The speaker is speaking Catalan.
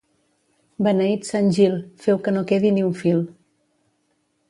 Beneït Sant Gil, feu que no quede ni un fil.